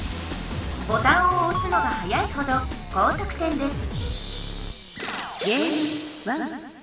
ボタンをおすのがはやいほど高得点です